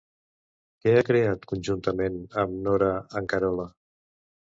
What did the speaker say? Què ha creat, conjuntament amb Nora Ancarola?